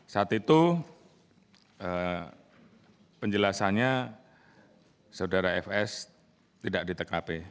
saat itu penjelasannya saudara fs tidak di tkp